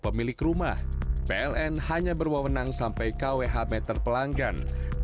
pemilik rumah pln hanya berwenang sampai kwh meter pelanggan